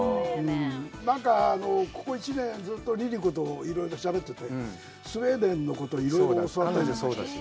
なんかここ１年ずうっとＬｉＬｉＣｏといろいろしゃべってて、スウェーデンのことをいろいろ教わって。